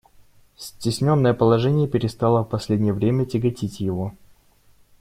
Cтесненное положение перестало в последнее время тяготить его.